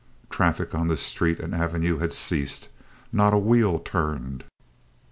Traffic on street and avenue had ceased; not a wheel turned.